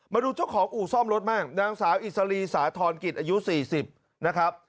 มาดูเจ้าของอู่ซ่อมรถบ้างนางสาวอิสรีสาธรณกิจอายุ๔๐นะครับ